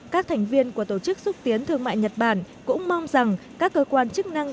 các thành viên của tổ chức xúc tiến thương mại nhật bản cũng mong rằng các cơ quan chức năng